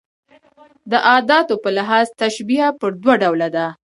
د اداتو په لحاظ تشبېه پر دوه ډوله ده.